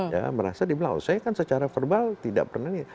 ya merasa dibilang oh saya kan secara verbal tidak pernah ini